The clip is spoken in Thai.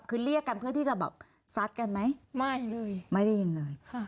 คือเรียกกันเพื่อที่จะแบบซัดกันไหมไม่เลยไม่ได้ยินเลยค่ะ